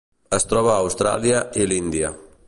Es troba a Austràlia i l'Índia.